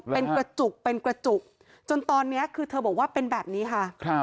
เป็นกระจุกเป็นกระจุกจนตอนนี้คือเธอบอกว่าเป็นแบบนี้ค่ะ